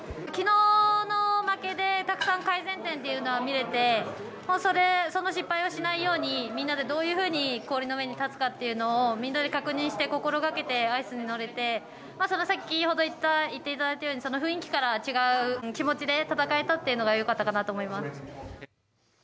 きのうの負けでたくさん改善点というのが見れてその失敗はしないように皆でどういうふうに氷の上に立つかというのは皆で確認して心がけでアイスに乗れて先ほどいっていただいたように雰囲気から違う気持ちで戦えたというのがよかったかなと思います。